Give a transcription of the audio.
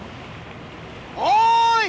おい！